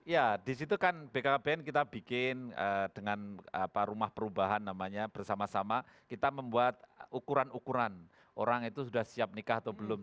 ya disitu kan bkkbn kita bikin dengan rumah perubahan namanya bersama sama kita membuat ukuran ukuran orang itu sudah siap nikah atau belum